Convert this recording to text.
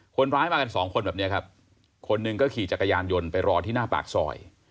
คนร้ายมากันสองคนแบบนี้ครับคนหนึ่งก็ขี่จักรยานยนต์ไปรอที่หน้าปากซอย